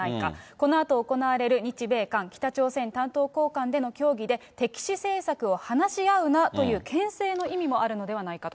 このあと行われる日米韓北朝鮮担当高官での協議で、敵視政策を話し合うなというけん制の意味もあるのではないかと。